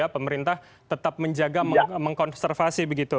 pemerintah tetap menjaga mengkonservasi